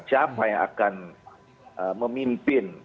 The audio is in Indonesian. siapa yang akan memimpin